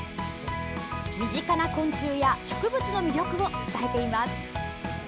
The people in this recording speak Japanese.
身近な昆虫や植物の魅力を伝えています。